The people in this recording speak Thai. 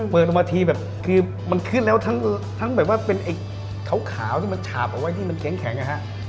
เปิดออกมาทีแบบคือมันขึ้นแล้วทั้งแบบว่าเป็นไอ้ขาวที่มันฉาบเอาไว้ที่มันแข็งนะฮะ